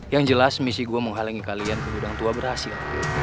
yang jelas misi gue menghalangi kalian ke gudang tua berhasil